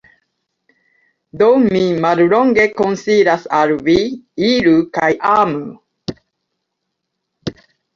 Do mi, mallonge, konsilas al Vi: Iru kaj amu!